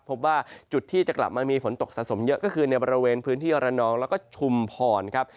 พบว่าจุดที่จะกลับมามีฝนตกสะสมเยอะก็คือในบริเวณพื้นที่ระนองแล้วก็ชุมพรครับ